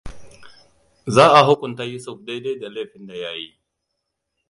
Za a hukunta Yusuf dai-dai da laifin da ya yi.